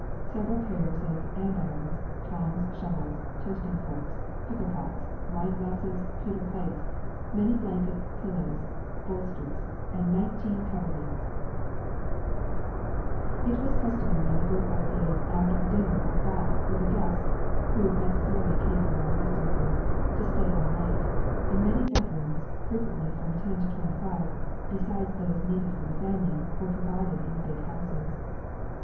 Several pairs of andirons, tongs, shovels, toasting forks, pickle pots, wine glasses, pewter plates, many blankets, pillows, bolsters, and nineteen coverlids." [Illustration: DAISY QUILT For a child's bed] It was customary in the good old days after a dinner or ball for the guests, who necessarily came from long distances, to stay all night, and many bedrooms, frequently from ten to twenty five, besides those needed for the family, were provided in the big houses.